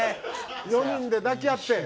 ４人で抱き合ってん。